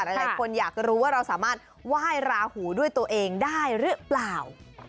หลายคนอยากรู้ว่าเราสามารถไหว้ราหูด้วยตัวเองได้หรือเปล่า